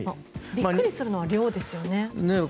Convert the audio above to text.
ビックリするのは量ですよね。